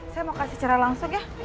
saya mau kasih secara langsung ya